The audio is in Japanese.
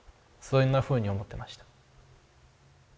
そんなふうに思ってました。